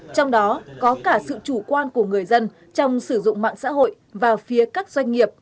trong đó có cả sự chủ quan của người dân trong sử dụng mạng xã hội và phía các doanh nghiệp